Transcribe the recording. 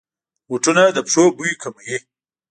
بوټونه د پښو بوی کموي.